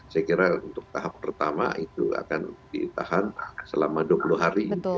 saya kira untuk tahap pertama itu akan ditahan selama dua puluh hari